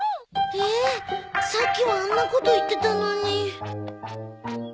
えさっきはあんなこと言ってたのに。